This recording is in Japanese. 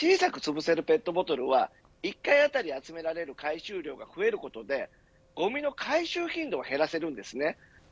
小さくつぶせるペットボトルは１回当たり集められる回収量が増えることでごみの回収頻度を減らせるんですね。